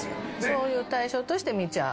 そういう対象として見ちゃう？